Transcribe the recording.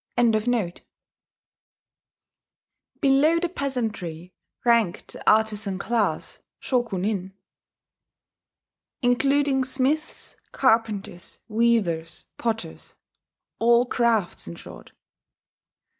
] Below the peasantry ranked the artizan class (Shokunin), including smiths, carpenters, weavers, potters, all crafts, in short.